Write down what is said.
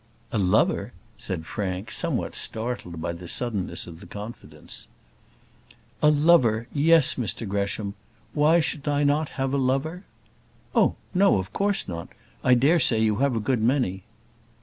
"A lover?" said Frank, somewhat startled by the suddenness of the confidence. "A lover yes Mr Gresham; why should I not have a lover?" "Oh! no of course not. I dare say you have a good many."